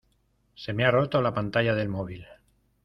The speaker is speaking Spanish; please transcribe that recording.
Se me ha roto la pantalla del móvil.